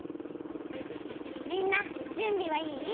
みんなじゅんびはいい？